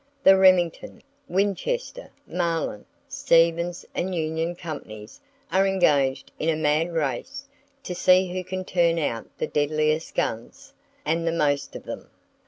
The Remington, Winchester, Marlin, Stevens and Union Companies are engaged in a mad race to see who can turn out the deadliest guns, and the most of them.